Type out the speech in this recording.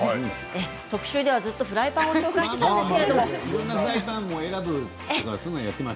特集ではずっとフライパンを紹介していたんですけれども。